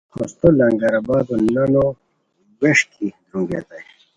ہوستو لنگرآبادو نانو ووݰکی درونگیتائے